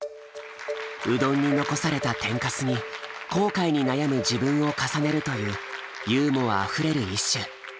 うどんに残された天カスに後悔に悩む自分を重ねるというユーモアあふれる一首。